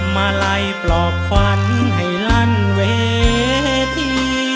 มาไล่ปลอบขวัญให้ลั่นเวที